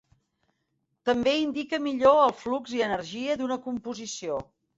També indica millor el flux i energia d'una composició.